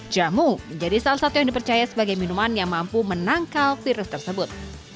jamu menjadi salah satu yang dipercaya sebagai minuman yang mampu menangkal virus tersebut